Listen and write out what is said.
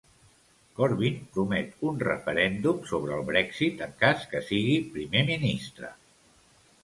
Corbyn promet un referèndum sobre el Brexit en cas que sigui primer ministre.